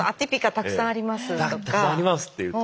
たくさんありますっていうと。